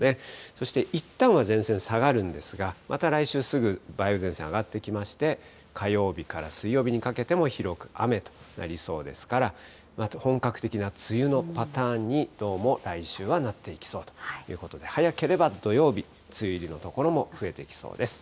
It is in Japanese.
そしていったんは前線下がるんですが、また来週、すぐ梅雨前線、上がってきまして、火曜日から水曜日にかけても広く雨となりそうですから、本格的な梅雨のパターンにどうも、来週はなっていきそうということで、早ければ土曜日、梅雨入りの所も増えてきそうです。